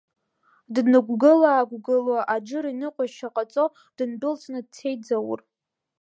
Днықәгыла-аақәгыло Аџыр иныҟәашьа ҟаҵо дындәылҵны дцеит Заур.